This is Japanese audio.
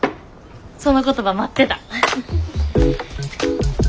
その言葉待ってた！